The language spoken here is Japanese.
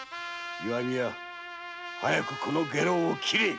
石見屋早くこの下郎を切れ！